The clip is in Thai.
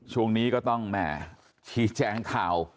ช่วงนี้ก็ต้องแหม่ชี้แจงข่าว